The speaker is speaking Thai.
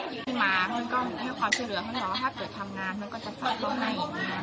มีมากมันก็มีความเสื้อเหลือของเราถ้าเกิดทำงานมันก็จะฝากเข้าใน